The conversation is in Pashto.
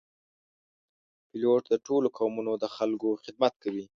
پیلوټ د ټولو قومونو د خلکو خدمت کوي.